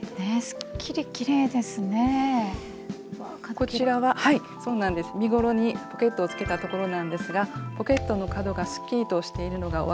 こちらは身ごろにポケットをつけたところなんですがポケットの角がすっきりとしているのがお分かり頂けますか？